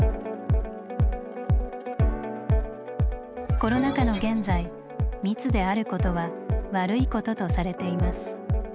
コロナ禍の現在「密」であることは悪いこととされています。